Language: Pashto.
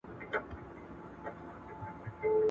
بې یسینه بې وصیته په کفن یو .